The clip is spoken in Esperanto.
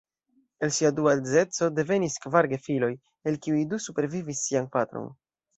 El sia dua edzeco devenis kvar gefiloj, el kiuj du supervivis sian patron.